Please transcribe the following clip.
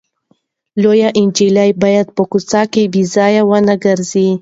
لويه نجلۍ باید په کوڅو کې بې ځایه ونه ګرځي.